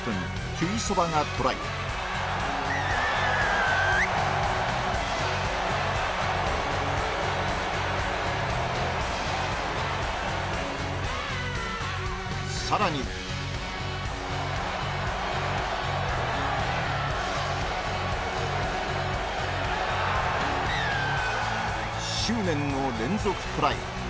テュイソバがトライさらに執念の連続トライ。